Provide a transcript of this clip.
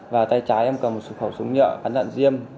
và tay trái em cầm một sụp khẩu súng nhựa bắn lặn diêm